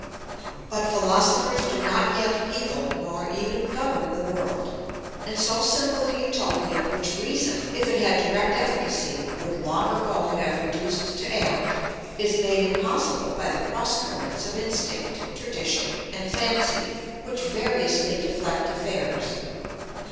But philosophers do not yet people nor even govern the world, and so simple a Utopia which reason, if it had direct efficacy, would long ago have reduced to act, is made impossible by the cross currents of instinct, tradition, and fancy which variously deflect affairs.